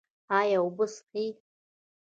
ایا اوبه څښئ؟